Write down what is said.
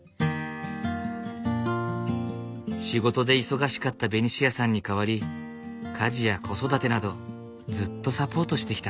仕事で忙しかったベニシアさんに代わり家事や子育てなどずっとサポートしてきた。